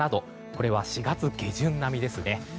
これは４月下旬並みですね。